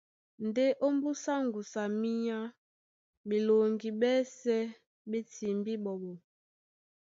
Ndé ómbúsá ŋgusu a minyá ɓeloŋgi ɓɛ́sɛ̄ ɓé timbí ɓɔɓɔ.